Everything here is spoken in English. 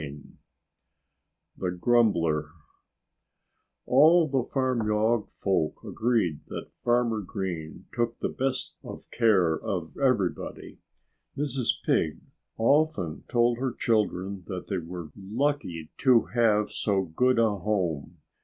VII THE GRUMBLER All the farmyard folk agreed that Farmer Green took the best of care of everybody. Mrs. Pig often told her children that they were lucky to have so good a home.